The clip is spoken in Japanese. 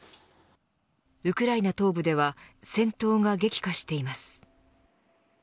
ウクライナ東部では戦闘が激化しています。